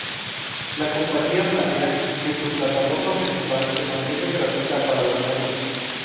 La compañía planea que su plataforma principal se mantenga gratuita para los maestros.